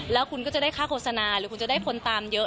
แล้วคุณก็จะได้ค่าโฆษณาหรือคุณจะได้ผลตามเยอะ